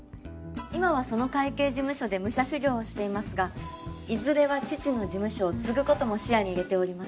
今はその会計事務所で武者修行をしていますがいずれは父の事務所を継ぐことも視野に入れております。